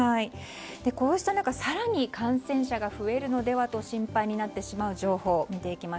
こうした中更に感染者が増えるのではと心配になってしまう情報。